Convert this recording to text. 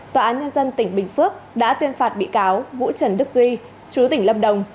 tòa án nhân dân tỉnh bình phước đã tuyên phạt bị cáo vũ trần đức duy chú tỉnh lâm đồng